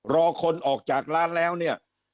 รอคนออกจากร้านแล้วเนี่ย